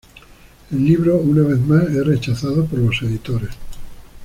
El libro una vez más es rechazado por los editores.